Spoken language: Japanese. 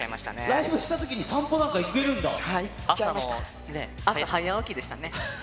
ライブしたときに、散歩なん朝早起きでしたね。